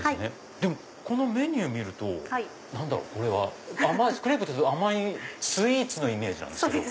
でもこのメニュー見ると何だろうこれは。クレープって甘いスイーツのイメージなんですけど。